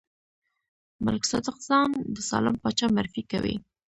ملک صادق ځان د سالم پاچا معرفي کوي.